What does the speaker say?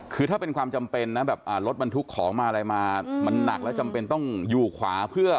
คือถ้าเป็นความจำเป็นนะแบบรถบรรทุกของมาอะไรมามันหนักแล้วจำเป็นต้องอยู่ขวาเพื่อ